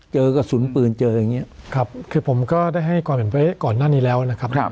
เจอกระสุนปืนเจออย่างนี้ครับคือผมก็ได้ให้ความเห็นไว้ก่อนหน้านี้แล้วนะครับ